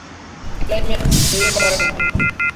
Climax দেরীতে করার জন্য।